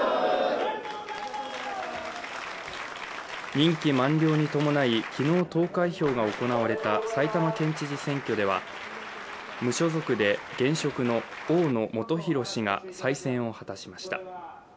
任期満了に伴い、昨日投開票が行われた埼玉県知事選挙では無所属で現職の大野元裕氏が再選を果たしました。